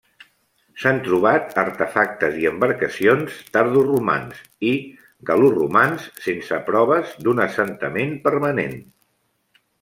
S'han trobat artefactes i embarcacions tardoromans i gal·loromans, sense proves d'un assentament permanent.